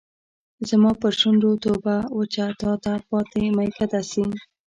زما پر شونډو توبه وچه تاته پاته میکده سي